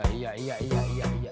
biar gak ngantuknya